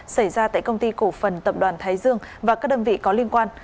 xảy ra tại công ty cổ phần tập đoàn thái dương và các đơn vị có liên quan